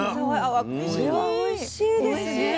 わこれはおいしいですね。